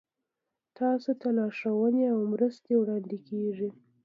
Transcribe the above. تاسو ته لارښوونې او مرستې وړاندې کیږي.